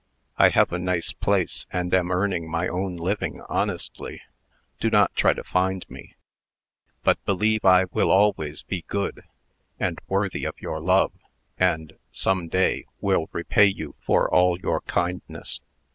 I have a nice place, and am earning my own living honestly. Do not try to find me, but believe I will always be good, and worthy of your love, and, some day, will repay you for all your kindness.